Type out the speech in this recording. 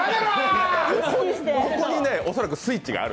ここに恐らくスイッチがある。